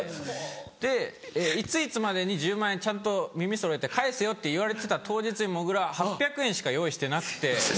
でいついつまでに１０万円ちゃんと耳そろえて返せよって言われてた当日にもぐら８００円しか用意してなくて。